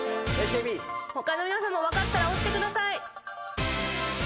他の皆さんも分かったら押してください。